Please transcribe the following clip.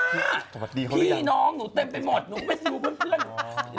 พี่น้องหนูเต็มไปหมดหนูเป็นพี่เพื่อน